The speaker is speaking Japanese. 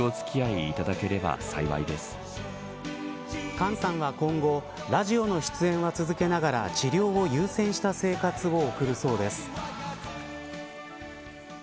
ＫＡＮさんは今後ラジオの出演は続けながら治療を優先した生活を送るそうです。